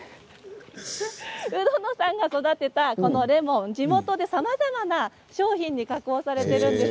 鵜殿さんが育てたこのレモンは地元でさまざまな商品に加工されているんです。